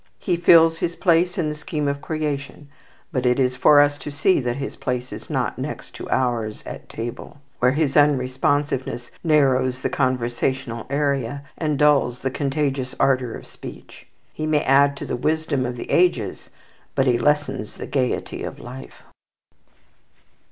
He fills his place in the scheme of creation; but it is for us to see that his place is not next to ours at table, where his unresponsiveness narrows the conversational area, and dulls the contagious ardour of speech. He may add to the wisdom of the ages, but he lessens the gayety of life.